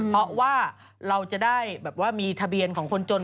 เพราะว่าเราจะได้แบบว่ามีทะเบียนของคนจน